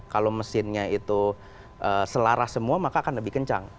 kalau mesinnya itu selara semua maka akan lebih kencang